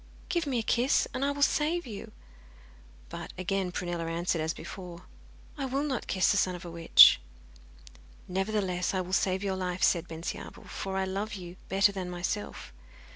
Give me a kiss, and I will save you.' But again Prunella answered as before, 'I will not kiss the son of a witch.' 'Nevertheless, I will save your life,' said Bensiabel, 'for I love you better than myself.